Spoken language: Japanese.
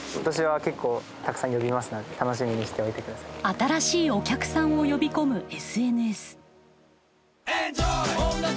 新しいお客さんを呼び込むＳＮＳ。